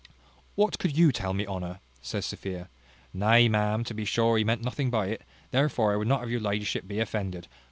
"What could you tell me, Honour?" says Sophia. "Nay, ma'am, to be sure he meant nothing by it, therefore I would not have your ladyship be offended."